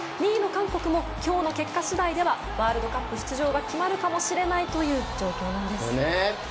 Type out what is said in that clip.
２位の韓国も、今日の結果次第でワールドカップ出場が決まるかもしれないという状況です。